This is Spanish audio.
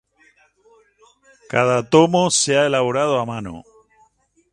Cada tomo se ha elaborado a mano.